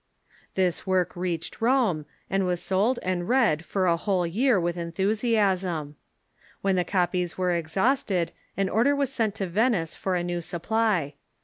This work reached Rome, and was sold and read for a whole year with enthusiasm. When the copies were exhausted an order was sent to Venice for a new supply.